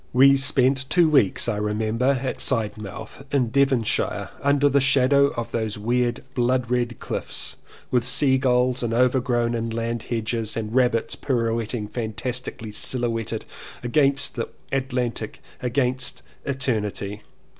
We spent two weeks I remember at Sidmouth in Devonshire under the shadow of those weird blood red cHffs, with sea gulls and overgrown inland hedges and rabbits pirouetting, fantastically sil houetted against the Atlantic — against Eter nity.